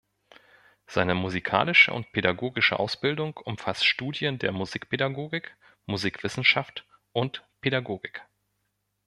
Seine musikalische und pädagogische Ausbildung umfasst Studien der Musikpädagogik, Musikwissenschaft und Pädagogik.